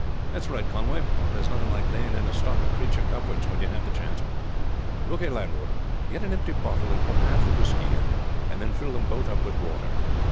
"That's right, Conway, there is nothing like laying in a stock of creature comforts when you have the chance. Look here, landlord, get an empty bottle and put half the whisky in, and then fill them both up with water.